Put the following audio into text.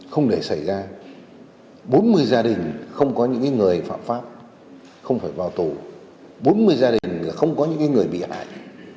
không để xảy ra bốn mươi gia đình không có những người phạm pháp không phải vào tù bốn mươi gia đình không có những người bị hại